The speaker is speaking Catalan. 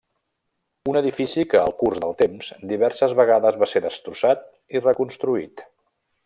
Un edifici que al curs del temps diverses vegades va ser destrossat i reconstruït.